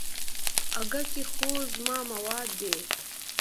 اگه کې خو زما مواد دي.